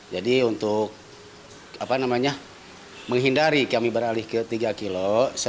jadi untuk menghindari kami beralih ke tiga kilo